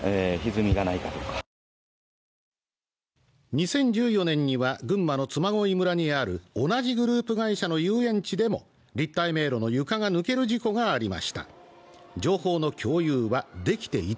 ２０１４年には群馬の嬬恋村にある同じグループ会社の遊園地でも立体迷路の床が抜ける事故がありました。